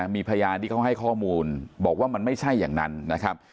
มีพยานที่เขาให้ข้อมูลบอกว่ามันไม่ใช่อย่างนั้นนะครับ